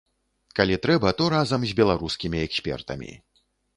Калі трэба, то разам з беларускімі экспертамі.